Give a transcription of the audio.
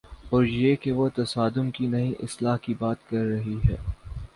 اوریہ کہ وہ تصادم کی نہیں، اصلاح کی بات کررہی ہے۔